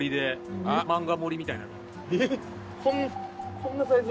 こんなサイズ？